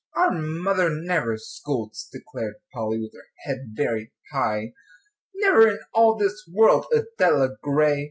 "Our mother never scolds," declared Polly, with her head very high, "never in all this world, Adela Gray."